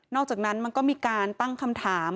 อกจากนั้นมันก็มีการตั้งคำถาม